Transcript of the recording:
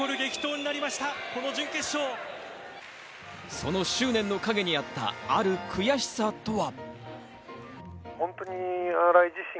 その執念の陰にあったある悔しさとは？